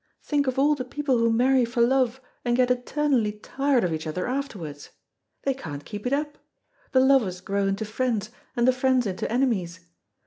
Think of all the people who marry for love, and get eternally tired of each other afterwards. They can't keep it up. The lovers grow into friends, and the friends into enemies.